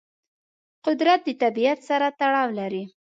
قدرت د طبیعت سره تړاو لري.